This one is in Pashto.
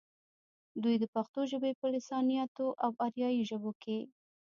دوي د پښتو ژبې پۀ لسانياتو او اريائي ژبو کښې